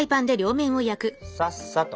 さっさと。